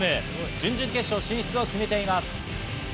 準々決勝進出を決めています。